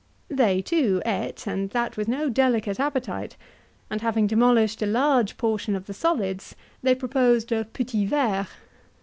They, too, ate, and that with no delicate appetite, and having demolished a large portion of the solids, they proposed a "petit verre."